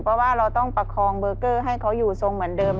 เพราะว่าเราต้องประคองเบอร์เกอร์ให้เขาอยู่ทรงเหมือนเดิม